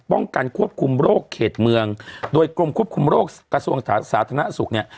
ควบคุมโรคเขตเมืองโดยกรมควบคุมโรคกระทรวงสาธารณสุขเนี่ย